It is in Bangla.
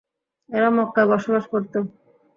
এরা মক্কায় বসবাস করত।